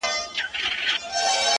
روغ دې وزرونه پانوسونو ته به څه وایو؛